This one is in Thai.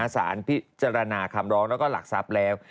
สารพิจารณาคำร้องแล้วก็หลักทรัพย์แล้ว